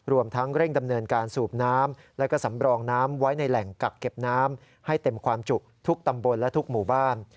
รวมทั้งเร่งดำเนินการสูบน้ำและก็สำรองน้ำไว้ในแหล่งกักเก็บน้ำให้เต็มความจุทุกตำบลและทุกหมู่บ้าน